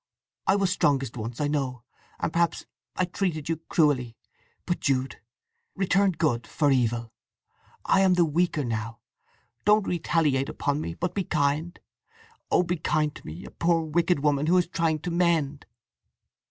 I was strongest once, I know, and perhaps I treated you cruelly. But Jude, return good for evil! I am the weaker now. Don't retaliate upon me, but be kind. Oh be kind to me—a poor wicked woman who is trying to mend!"